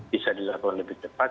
bisa dilakukan lebih cepat